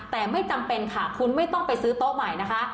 แต่ไม่จำเป็นค่ะคุณไม่ต้องไปซื้อโต๊ะใหม่นะคะ